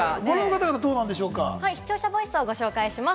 視聴者ボイスをご紹介します。